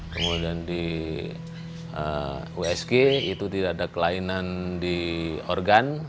kemudian di usg itu tidak ada kelainan di organ